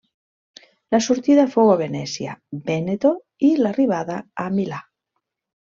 La sortida fou a Venècia, Vèneto, i l'arribada a Milà.